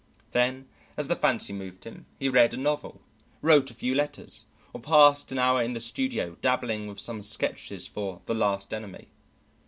Then, as the fancy moved him, he read a novel, wrote a few letters, or passed an hour in the studio dabbling with some sketches for the "Last Enemy."